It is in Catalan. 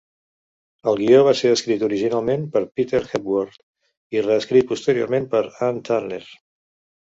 El guió va ser escrit originalment per Peter Hepworth i reescrit posteriorment per Ann Turner.